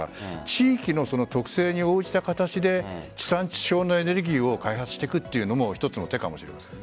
地域の特性に応じた形で地産地消のエネルギーを開発していくというのも一つの手かもしれません。